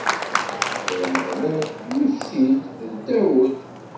Ay Ameɣlal, mmekti-d d Dawed.